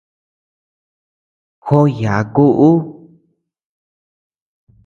Joʼó yàaku ú.